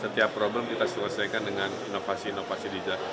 setiap problem kita selesaikan dengan inovasi inovasi digital